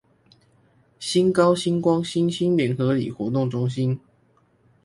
新高新光新興聯合里活動中心